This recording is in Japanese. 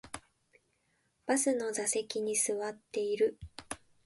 バスの座席に座っている